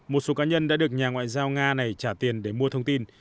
một số cá nhân đã được nhà ngoại giao nga này trả tiền để mua thông tin